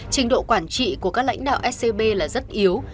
trình độ quản trị của các lãnh đạo scb là rất yếu